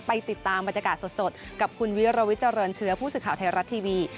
ติดตามบรรยากาศสดกับคุณวิรวิทเจริญเชื้อผู้สื่อข่าวไทยรัฐทีวี